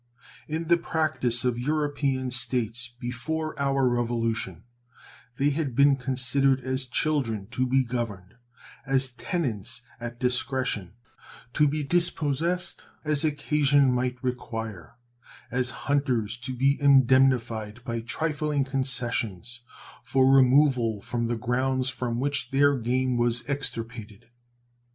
In the practice of European States, before our Revolution, they had been considered as children to be governed; as tenants at discretion, to be dispossessed as occasion might require; as hunters to be indemnified by trifling concessions for removal from the grounds from which their game was extirpated.